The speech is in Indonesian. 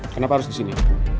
kenapa harus disini